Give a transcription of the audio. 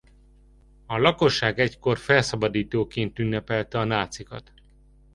A lakosság ekkor felszabadítóként ünnepelte a nácikat.